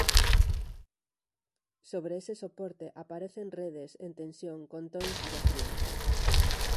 Sobre ese soporte aparecen redes en tensión con tons de acrílico.